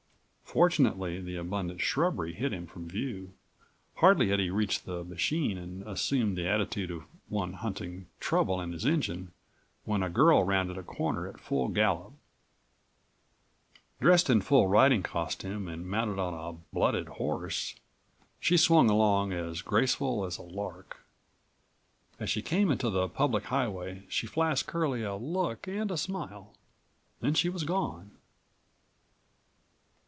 Fortunately the abundant shrubbery hid him from view. Hardly had he reached the machine and assumed the attitude of one hunting trouble in his engine when a girl rounded a corner at full gallop. Dressed in full riding costume and mounted on a blooded horse, she swung along as graceful as a lark. As she came into the public highway she flashed Curlie a look and a smile. Then she was gone.